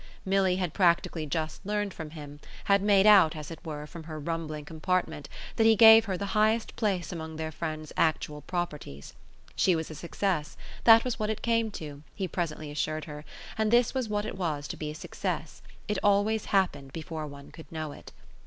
Milly had practically just learned from him, had made out, as it were, from her rumbling compartment, that he gave her the highest place among their friend's actual properties. She was a success, that was what it came to, he presently assured her, and this was what it was to be a success; it always happened before one could know it.